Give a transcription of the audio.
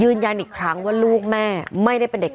ก็เป็นสถานที่ตั้งมาเพลงกุศลศพให้กับน้องหยอดนะคะ